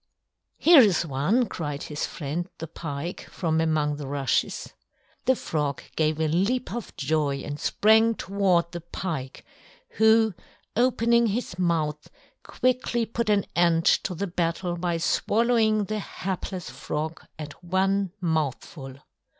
"Here is one," cried his friend, the Pike, from among the rushes. The Frog gave a leap of joy and sprang toward the Pike, who, opening his mouth, quickly put an end to the battle by swallowing the hapless Frog at one mouthful.